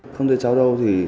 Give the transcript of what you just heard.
không thể cháu đâu